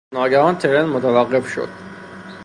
ناگهان ترن متوقف شد.